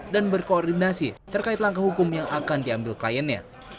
dan berkoordinasi terkait langkah hukum yang akan diambil kliennya